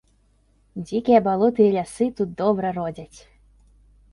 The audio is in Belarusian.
Дзікія балоты і лясы тут добра родзяць.